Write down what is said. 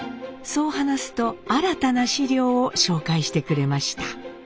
そう話すと新たな史料を紹介してくれました。